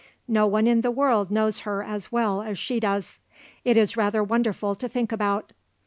No one in the world knows her as well as she does. It is rather wonderful to think about."